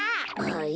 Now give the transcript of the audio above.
はい？